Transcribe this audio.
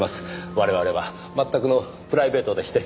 我々は全くのプライベートでして。